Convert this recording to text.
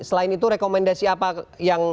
selain itu rekomendasi apa yang